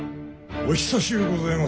お久しゅうございます